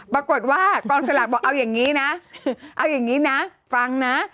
ปรากฏว่ากองสลากบอกเอาอย่างนี้นะเอาอย่างนี้นะฟังนะ